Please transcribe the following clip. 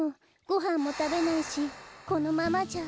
ごはんもたべないしこのままじゃ。